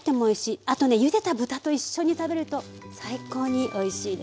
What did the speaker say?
あとねゆでた豚と一緒に食べると最高においしいですよ。